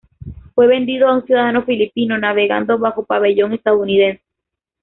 Fue vendido a un ciudadano filipino, navegando bajo pabellón estadounidense.